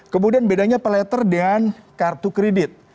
kemudian bedanya pay later dengan kartu kredit